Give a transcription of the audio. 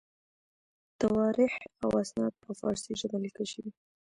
تواریخ او اسناد په فارسي ژبه لیکل شوي.